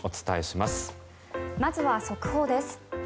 まずは速報です。